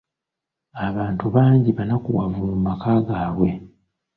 Abantu bangi bannakuwavu mu maka gaabwe